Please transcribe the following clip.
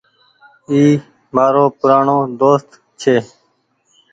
اي مآرو پورآڻو دوست ڇي ۔